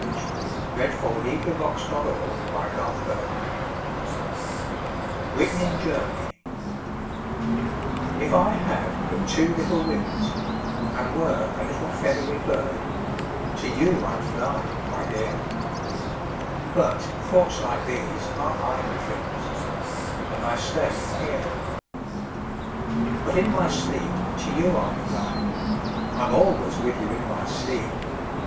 SOMETHING CHILDISH, BUT VERY NATURAL[313:1] WRITTEN IN GERMANY If I had but two little wings And were a little feathery bird, To you I'd fly, my dear! But thoughts like these are idle things, And I stay here. 5 But in my sleep to you I fly: I'm always with you in my sleep!